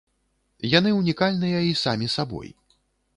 Яны ўнікальныя і самі сабой.